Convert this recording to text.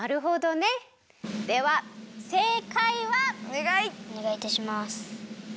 おねがいいたします。